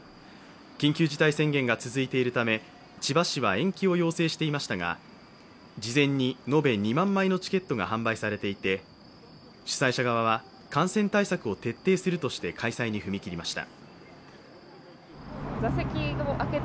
緊急事態宣言が続いているため千葉市は延期を要請していましたが、事前に延べ２万枚のチケットが販売されていて主催者側は感染対策を徹底するとして開催に踏み切りました。